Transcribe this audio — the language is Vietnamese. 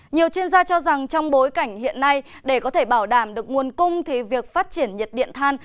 nhiều chuyên gia cho rằng trong bối cảnh hiện nay để có thể bảo đảm được nguồn cung thì việc phát triển nhiệt điện than